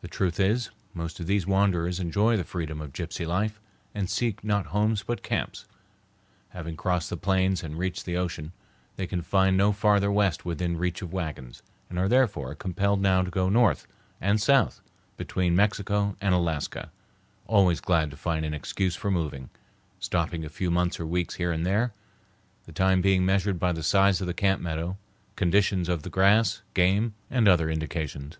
The truth is, most of these wanderers enjoy the freedom of gypsy life and seek not homes but camps. Having crossed the plains and reached the ocean, they can find no farther west within reach of wagons, and are therefore compelled now to go north and south between Mexico and Alaska, always glad to find an excuse for moving, stopping a few months or weeks here and there, the time being measured by the size of the camp meadow, conditions of the grass, game, and other indications.